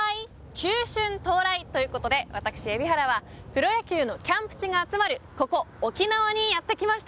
球春到来ということで私、海老原はプロ野球のキャンプ地が集まるここ、沖縄にやって来ました。